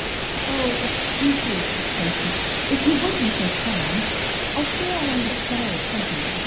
"Oh, thank you ... thank you ... if you would be so kind ... I fear I am but sorry company